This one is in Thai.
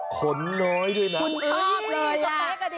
ขนน้อยด้วยนะ